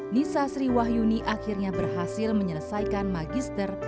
nisa sriwahyuni akhirnya berhasil menyelesaikan magister